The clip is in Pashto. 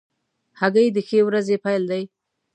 هګۍ د ښې ورځې پیل دی.